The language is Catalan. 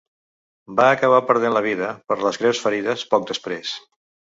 Va acabar perdent la vida per les greus ferides poc després.